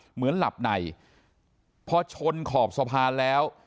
เหมือนหลับในพอชนขอบสะพานแล้ว